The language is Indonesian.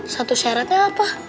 satu syaratnya apa